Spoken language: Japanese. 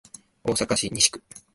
大阪市西区